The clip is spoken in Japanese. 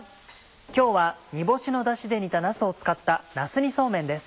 今日は煮干しのダシで煮たなすを使った「なす煮そうめん」です。